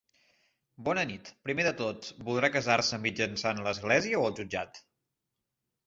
Bona nit, primer de tot, voldrà casar-se mitjançant l'església o el jutjat?